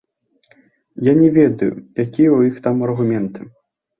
Я не ведаю, якія ў іх там аргументы.